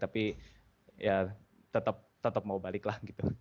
tapi ya tetap mau balik lah gitu